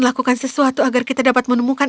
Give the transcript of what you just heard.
melakukan sesuatu agar kita dapat menemukan